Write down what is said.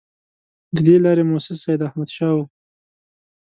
د دې لارې مؤسس سیداحمدشاه وو.